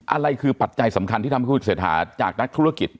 อะไรคือปัจจัยสำคัญที่ทำให้คุณเศรษฐาจากนักธุรกิจ